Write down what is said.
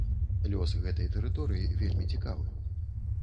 Лёс гэтай тэрыторыі вельмі цікавы.